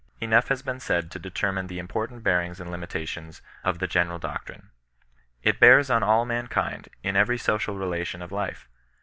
Enough has been said to deter mine the important bearings and limitations of the gene ral doctrine. It bears on all mankind, in every social relation of life.